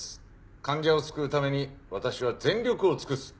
患者を救うために私は全力を尽くす。